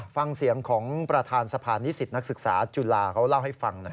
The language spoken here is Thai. ฟังเสียงของประธานสะพานนิสิตนักศึกษาจุฬาเขาเล่าให้ฟังหน่อย